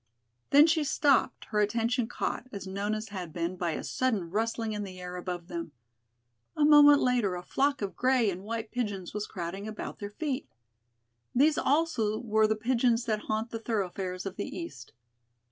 Then she stopped, her attention caught, as Nona's had been, by a sudden rustling in the air above them. A moment later a flock of gray and white pigeons was crowding about their feet. These also were the pigeons that haunt the thoroughfares of the east.